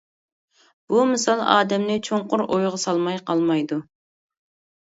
بۇ مىسال ئادەمنى چوڭقۇر ئويغا سالماي قالمايدۇ.